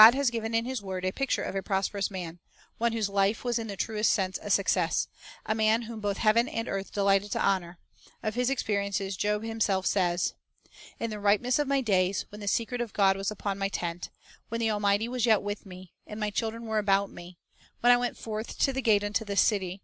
I )2 The Bible as an Educator A Successful Career Its Cro \vn of Honor God has given in His word a picture of a prosperous man, — one whose life was in the truest sense a success, a man whom both heaven and earth delighted to honor. Of his experiences Job himself says :— "In the ripeness of my days, When the secret of God was upon my tent; When the Almighty was yet with me, And my children were about me; ... When I went forth to the gate unto the city.